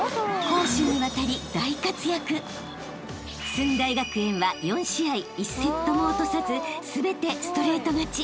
［駿台学園は４試合１セットも落とさず全てストレート勝ち］